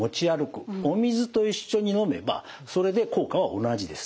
お水と一緒に飲めばそれで効果は同じです。